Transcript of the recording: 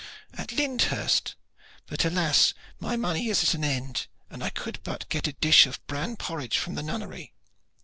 "At Lyndenhurst; but alas! my money is at an end, and I could but get a dish of bran porridge from the nunnery.